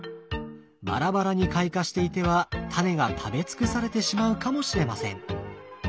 バラバラに開花していてはタネが食べ尽くされてしまうかもしれません。